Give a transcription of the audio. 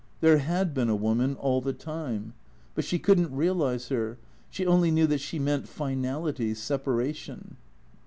There had been a woman all the time. But she could n't realize her. She only knew that she meant finality, separation.